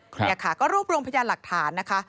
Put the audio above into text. นี่ค่ะก็รวบรวมพยานหลักฐานนะคะ